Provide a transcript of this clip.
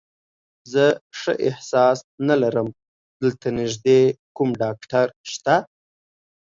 زه ښه احساس نه لرم، دلته نږدې کوم ډاکټر شته؟